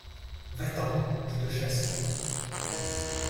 Va-t’en ! je te chasse.